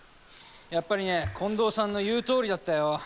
やっぱりね近藤さんの言うとおりだったよ。